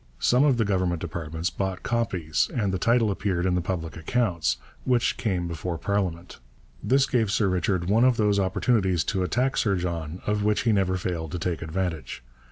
Some of the government departments bought copies and the title appeared in the public accounts, which came before parliament. This gave Sir Richard one of those opportunities to attack Sir John of which he never failed to take advantage.